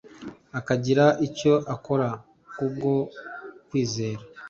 akagira icyo akora kubwo kwizera.